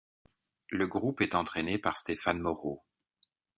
Le groupe est entraîné par Stéphane Moreau.